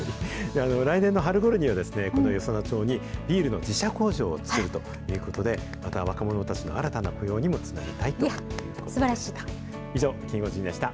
来年の春ごろには、ビールの自社工場を作るということで、また若者たちの新たな雇用にもつなげたいということでした。